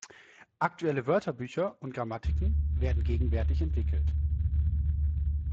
Aktuelle Wörterbücher und Grammatiken werden gegenwärtig entwickelt.